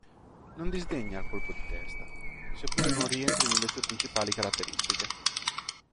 Non disdegna il colpo di testa, seppure non rientri nelle sue principali caratteristiche.